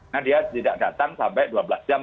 nah dia tidak datang sampai dua belas jam